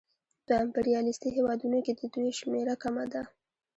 په امپریالیستي هېوادونو کې د دوی شمېره کمه ده